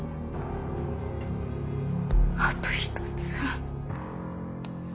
あと１つ。